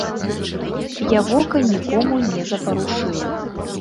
Я вока нікому не запарушыў.